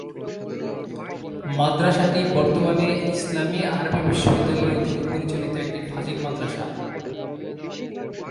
মাদ্রাসাটি বর্তমানে ইসলামি আরবি বিশ্ববিদ্যালয়ের অধীনে পরিচালিত একটি ফাজিল মাদ্রাসা।